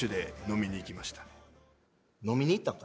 飲みに行きました。